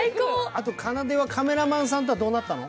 あとかなではカメラマンさんとはどうなったの？